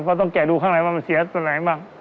เพราะต้องแกะดูข้างในว่ามันเสียตรงไหนบ้าง